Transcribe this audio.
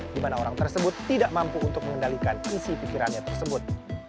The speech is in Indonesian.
di mana orang tersebut tidak mampu untuk mengendalikan isi pikirannya tersebut